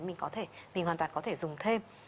mình có thể mình hoàn toàn có thể dùng thêm